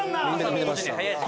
見てました。